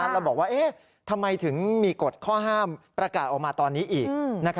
แล้วบอกว่าทำไมถึงมีกฎข้อห้ามประกาศออกมาตอนนี้อีก